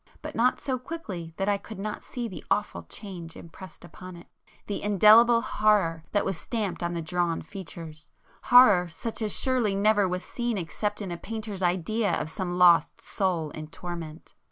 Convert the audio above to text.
But not so quickly that I could not see the awful change impressed upon it,—the indelible horror that was stamped on the drawn features,—horror such as surely never was seen except in a painter's idea of some lost soul in torment.